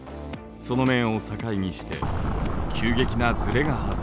その面を境にして急激なずれが発生します。